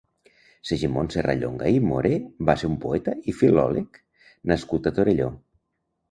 Segimon Serrallonga i Morer va ser un poeta i filòleg s nascut a Torelló.